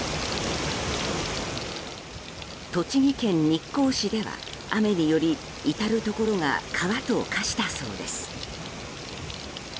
栃木県日光市では雨により至るところが川と化したそうです。